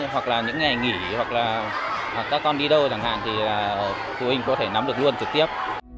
hoặc là những ngày nghỉ hoặc là các con đi đâu chẳng hạn thì phụ huynh có thể nắm được luôn trực tiếp